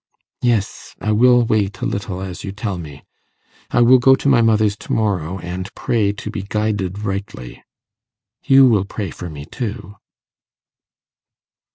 'Yes; I will wait a little, as you tell me. I will go to my mother's to morrow, and pray to be guided rightly. You will pray for me, too.